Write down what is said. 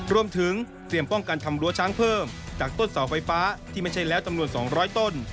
รวมถึงเตรียมป้องกันทำรั้วช้างเพิ่มจากต้นเสาไฟฟ้าที่ไม่ใช่แล้วจำนวน๒๐๐ต้น